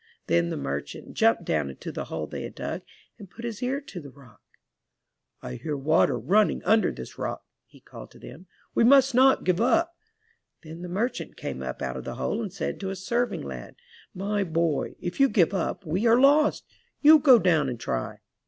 Then the merchant jumped down into the hole they had dug, and put his ear to the rock. 'T hear water running under this rock," he called to them. ''We must not give up!" Then the merchant came up out of the hole and said to a serving lad: "My boy, if you give up we are lost! You go down and try!"